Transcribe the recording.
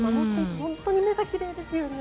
本当に目が奇麗ですよね。